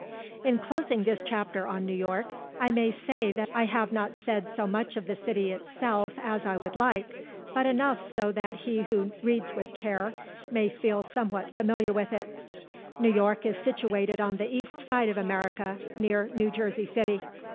"In closing this chapter on New York, I may say that I have not said so much of the city itself as I would like, but enough so that he who reads with care may feel somewhat familiar with it. New York is situated on the east side of America, near New Jersey City.